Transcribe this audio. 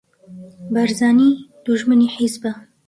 بارزانی دوژمنی حیزبە